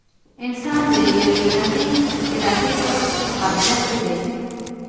انسان د یوې ړندې ارادې په قبضه کې دی.